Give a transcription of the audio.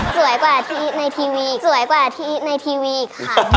สวยกว่าที่ในทีวีอีกครั้ง